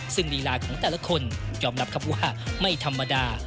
ซึ่งลีลาของแต่ละคนยอมรับครับว่าไม่ธรรมดา